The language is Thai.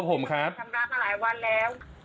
ชำระมาหลายวันแล้ว